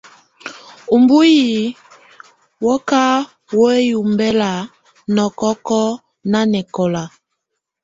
Ubuinyii wù kà wǝ́yi ɔmbɛla nɔkɔkɔ̂ nanɛkɔla.